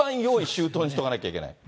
周到にしとかなきゃいけない。